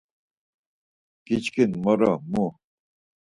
Giçkin moro mu.